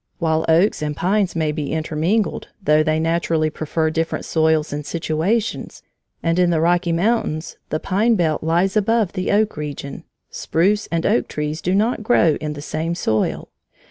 While oaks and pines may be intermingled, though they naturally prefer different soils and situations, and in the Rocky Mountains the pine belt lies above the oak region, spruce and oak trees do not grow in the same soil.